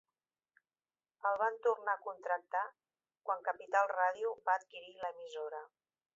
El van tornar a contractar quan Capital Radio va adquirir l'emissora.